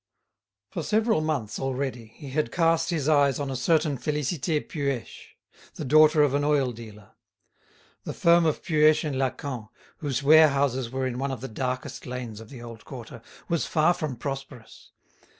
For several months already he had cast his eyes on a certain Félicité Puech, the daughter of an oil dealer. The firm of Puech & Lacamp, whose warehouses were in one of the darkest lanes of the old quarter, was far from prosperous.